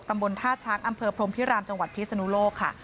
ตำบลท่าช้างอำเภอพรมพิรามจังหวัดพิศนุโลกค่ะ